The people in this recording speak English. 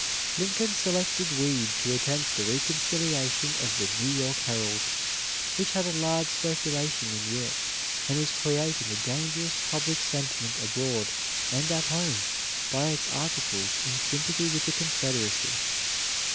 Lincoln selected Weed to attempt the reconciliation of the "New York Herald," which had a large circulation in Europe, and was creating a dangerous public sentiment abroad and at home by its articles in sympathy with the Confederacy.